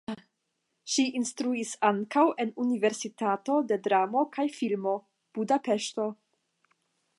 Ŝi instruis ankaŭ en Universitato de Dramo kaj Filmo (Budapeŝto).